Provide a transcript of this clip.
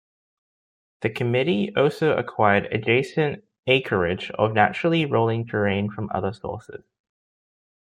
The committee also acquired adjacent acreage of naturally rolling terrain from other sources.